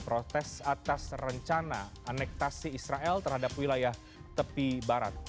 protes atas rencana anektasi israel terhadap wilayah tepi barat